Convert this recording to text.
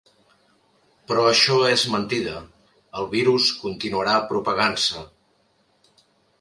Però això és mentida, el virus continuarà propagant-se.